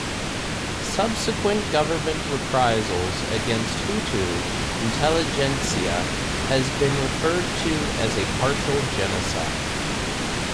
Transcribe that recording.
Subsequent government reprisals against Hutu intelligentsia has been referred to as a 'partial genocide'.